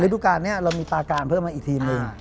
แต่ฤดูกาลเรามีปาการเพิ่มมาอีกทีมหนึ่ง